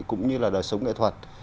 cũng như là đời sống nghệ thuật